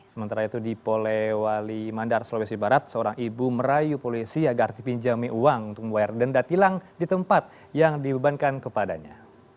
sementara itu di polewali mandar sulawesi barat seorang ibu merayu polisi agar dipinjami uang untuk membayar denda tilang di tempat yang dibebankan kepadanya